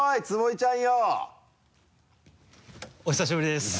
坪井ちゃんよ。お久しぶりです。